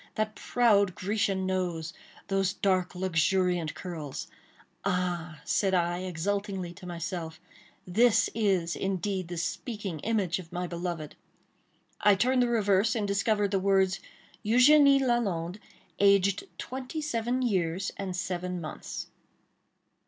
—that proud Grecian nose!—those dark luxuriant curls!—"Ah!" said I, exultingly to myself, "this is indeed the speaking image of my beloved!" I turned the reverse, and discovered the words—"Eugénie Lalande—aged twenty seven years and seven months."